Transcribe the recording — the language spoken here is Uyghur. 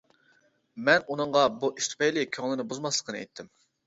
مەن ئۇنىڭغا بۇ ئىش تۈپەيلى كۆڭلىنى بۇزماسلىقنى ئېيتتىم.